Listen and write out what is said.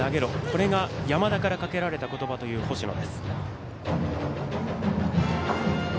これが山田からかけられた言葉という星野。